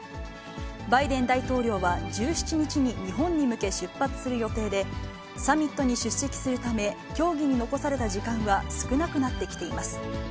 バイデン大統領は１７日に日本に向け出発する予定で、サミットに出席するため、協議に残された時間は少なくなってきています。